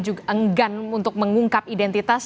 juga enggan untuk mengungkap identitas